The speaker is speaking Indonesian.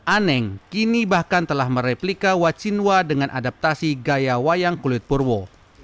aneng kini bahkan telah mereplika wacinwa dengan adaptasi gaya wayang kulit purwo